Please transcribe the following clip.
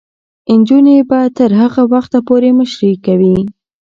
نجونې به تر هغه وخته پورې مشري کوي.